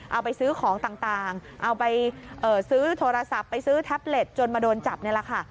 เอาไปซื้อของต่างเอาไปซื้อโทรศัพท์ไปซื้อแท็บเล็ตจนมาโดนจับนี่แหละค่ะ